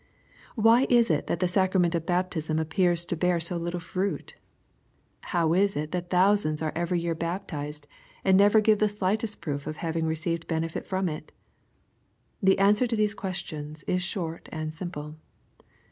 Why is it that the sacrament of baptism appears to bear so little firuit ? How is it that thousands are every year baptized, and never give the slightest proof of having received benefit from it ? The answer to these questions is short and simple.